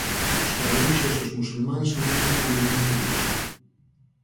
Os carolinxios e os musulmáns non tiñan a menor dúbida.